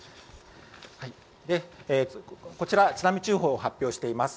こちら津波注意報を発表しています。